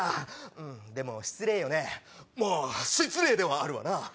うんでも失礼よねまぁ失礼ではあるわな。